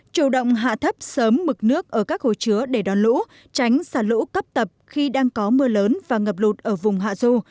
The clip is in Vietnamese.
chủ động hạ thấp sớm mực nước ở các hồ chứa để đón lũ tránh xả lũ cấp tập khi đang có mưa lớn và ngập lụt ở vùng hạ du